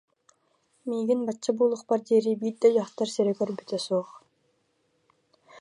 Миигин бачча буолуохпар диэри биир да дьахтар сирэ көрбүтэ суох